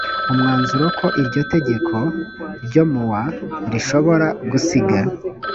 umwanzuro ko iryo tegeko ryo mu wa rishobora gusiga